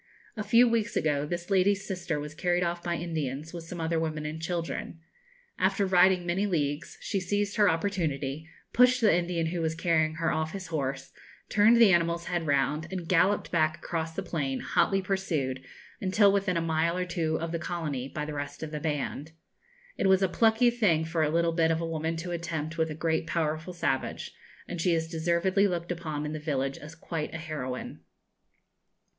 A few weeks ago this lady's sister was carried off by Indians, with some other women and children. After riding many leagues, she seized her opportunity, pushed the Indian who was carrying her off his horse, turned the animal's head round, and galloped back across the plain, hotly pursued, until within a mile or two of the colony, by the rest of the band. It was a plucky thing for a little bit of a woman to attempt with a great powerful savage, and she is deservedly looked upon in the village as quite a heroine.